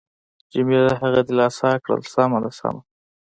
جميله هغه دلاسا کړل: سمه ده، سمه ده.